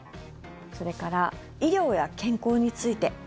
それから、医療や健康について。